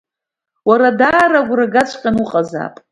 Уара даара агәрагаҵәҟьаны уҟазаап…